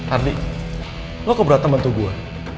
ardi lo kok berat ngebantu gua